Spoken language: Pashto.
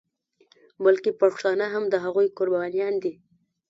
بلکې پښتانه هم د هغوی قربانیان دي.